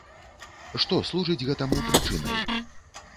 Што служыць гэтаму прычынай?